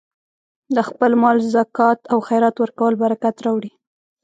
د خپل مال زکات او خیرات ورکول برکت راوړي.